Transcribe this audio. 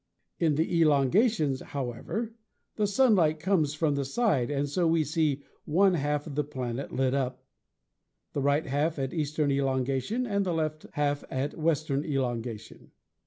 In the elongations, however, the sunlight comes from the side, and so we see one half of the planet lit up; the right half at eastern elongation and the left half at western elongation.